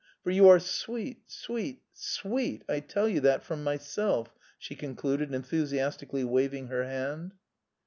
For you are sweet, sweet, sweet, I tell you that from myself!" she concluded, enthusiastically waving her hand.